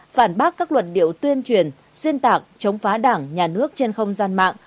phản bác các luận điệu tuyên truyền xuyên tạc chống phá đảng nhà nước trên không gian mạng